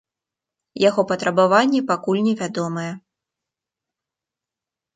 Яго патрабаванні пакуль невядомыя.